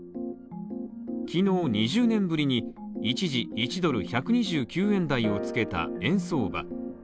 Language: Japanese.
昨日２０年ぶりに一時１ドル＝１２９円台を付けた円相場。